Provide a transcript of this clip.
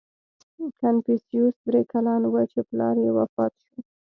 • کنفوسیوس درې کلن و، چې پلار یې وفات شو.